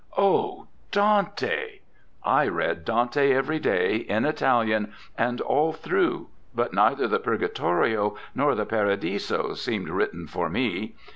Oh! Dante. I read Dante every day, in Italian, and all through, but neither the Purgatorio nor the Paradiso seemed written for me.